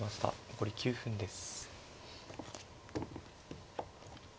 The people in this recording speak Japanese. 残り９分です。